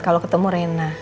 kalau ketemu reina